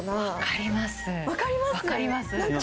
分かります？